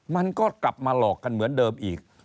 มันก็กลับมาหลอกกันเหมือนเดิมอีก